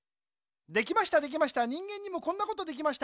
できましたできました人間にもこんなことできました。